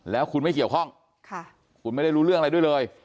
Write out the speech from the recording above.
แล้วคุณไม่เกี่ยวข้องคุณไม่ได้รู้เรื่องอะไรด้วยเลย